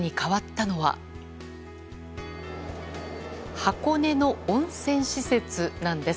箱根の温泉施設なんです。